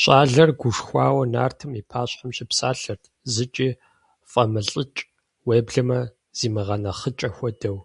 ЩӀалэр гушхуауэ нартым и пащхьэм щыпсалъэрт, зыкӀи фӀэмылӀыкӀ, уеблэмэ зимыгъэнэхъыкӀэ хуэдэу.